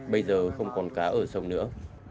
bây giờ không còn cá ở sông nữa